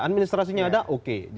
administrasinya ada oke